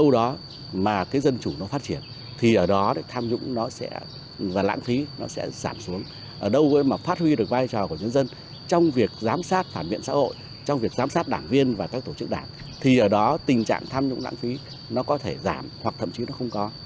nó có thể giảm hoặc thậm chí nó không có